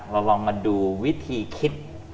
เราลองมาดูวิธีคิด